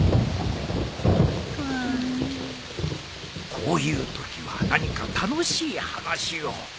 こういうときは何か楽しい話を